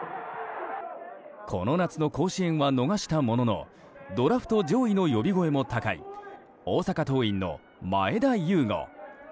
この夏の甲子園は逃したもののドラフト上位の呼び声も高い大阪桐蔭の前田悠伍。